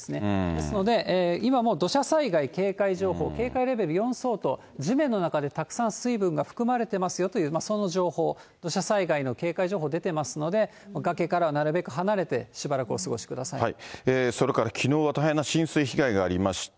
ですので、今も土砂災害警戒情報、警戒レベル４相当、地面の中でたくさん水分が含まれてますよという、その情報、土砂災害の警戒情報出ていますので、崖からはなるべく離れて、それからきのうは大変な浸水被害がありました。